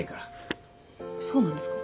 そうなんですか？